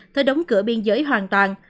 tới đóng cửa biên giới hoàn toàn